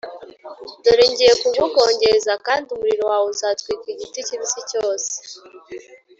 Dore ngiye kugukongeza, kandi umuriro wawe uzatwika igiti kibisi cyose